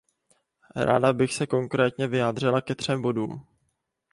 Ráda bych se konkrétně vyjádřila ke třem bodům.